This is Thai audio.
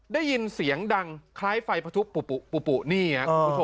ได้ยินเสียงดังคล้ายไฟพระทุกข์ปุ๊บปุ๊บปุ๊บปุ๊บนี่อย่างนี้ครับ